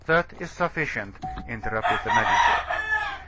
"That is sufficient," interrupted the magistrate.